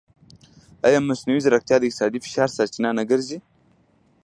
ایا مصنوعي ځیرکتیا د اقتصادي فشار سرچینه نه ګرځي؟